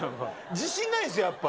自信ないですよ、やっぱ。